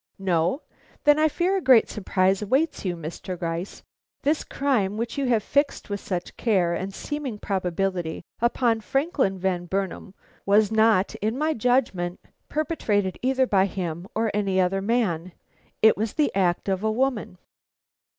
"No? Then I fear a great surprise awaits you, Mr. Gryce. This crime, which you have fixed with such care and seeming probability upon Franklin Van Burnam, was not, in my judgment, perpetrated either by him or any other man. It was the act of a woman."